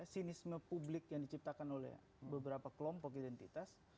sinisme publik yang diciptakan oleh beberapa kelompok identitas